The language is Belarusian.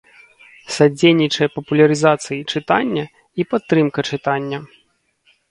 Садзейнiчанне папулярызацыi чытання i падтрымка чытання.